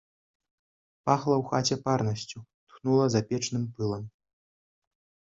Пахла ў хаце парнасцю, тхнула запечным пылам.